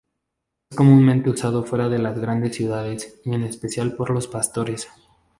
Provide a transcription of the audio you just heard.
Es comúnmente usado fuera de las grandes ciudades, y en especial por los pastores.